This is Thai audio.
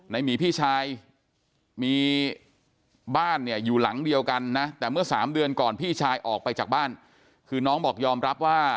หมีพี่ชายมีบ้านเนี่ยอยู่หลังเดียวกันนะแต่เมื่อสามเดือนก่อนพี่ชายออกไปจากบ้านคือน้องบอกยอมรับว่า